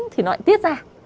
thì nó lại tiết ra